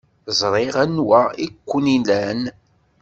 Ẓriɣ anwa ay ken-ilan.